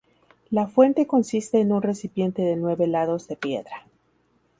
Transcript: La fuente consiste en un recipiente de nueve lados de piedra.